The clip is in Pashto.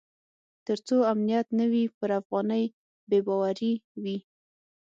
تر څو امنیت نه وي پر افغانۍ بې باوري وي.